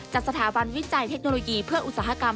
จัดสถาบันวิจัยเทคโนโลยีเพื่ออุตสาหกรรม